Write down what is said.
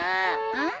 うん？